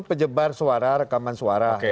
pejebar suara rekaman suara